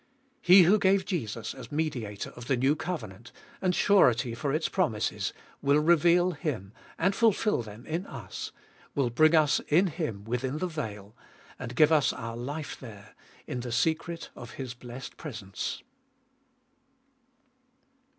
He who gave Jesus as Mediator of the new covenant, and surety for its promises, will reveal Him, and fulfil them in us, will bring us in Him within the veil, and give us our life there in the secret of His blessed presence.